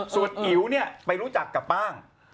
ส่วนอิ๋วไปรู้จักกับป้าง